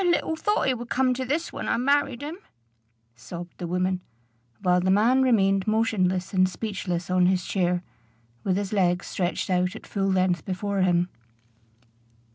"I little thought it would come to this when I married him," sobbed the woman, while the man remained motionless and speechless on his chair, with his legs stretched out at full length before him.